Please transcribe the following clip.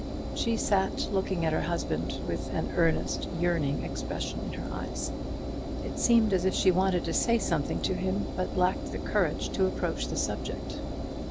She sat looking at her husband with an earnest yearning expression in her eyes. It seemed as if she wanted to say something to him, but lacked the courage to approach the subject.